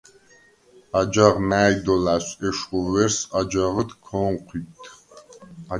აჯაღ მა̄̈ჲ დო ლა̈სვ, ეშხუ ვერს აჯაღჷდ ქო̄ნჴვიდდ.